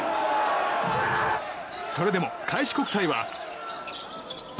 それでも開志国際は。